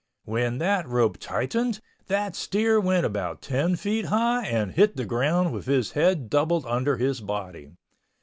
When that rope tightened that steer went about 10 feet high and hit the ground with his head doubled under his body.